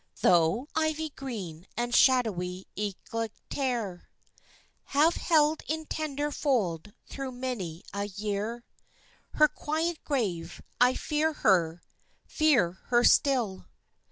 Though ivy green and shadowy eglatere Have held in tender fold through many a year Her quiet grave, I fear her fear her still.